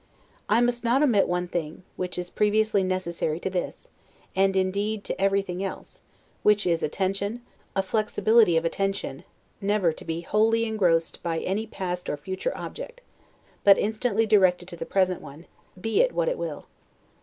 I must not omit one thing, which is previously necessary to this, and, indeed, to everything else; which is attention, a flexibility of attention; never to be wholly engrossed by any past or future object, but instantly directed to the present one, be it what it will.